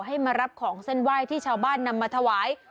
ให้มารับของเส้นไหว้ที่ชาวบ้านนำมาถวาย